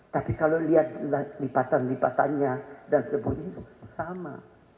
tapi kalau lihat lipatan lipatannya dan sebagainya itu sama